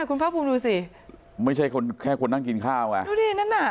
คุณภาคภูมิดูสิไม่ใช่คนแค่คนนั่งกินข้าวไงดูดินั่นน่ะ